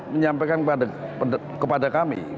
menyampaikan kepada kami